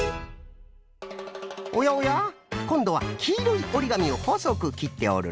おやおやこんどはきいろいおりがみをほそくきっておるのう。